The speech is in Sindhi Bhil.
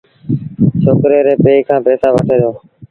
ڇوڪري ري پي کآݩ پئيٚسآ وٺي دو۔